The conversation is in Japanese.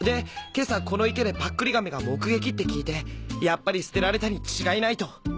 今朝この池でパックリ亀が目撃って聞いてやっぱり捨てられたに違いないと。